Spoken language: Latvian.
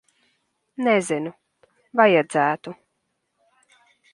Nezinu. Vajadzētu.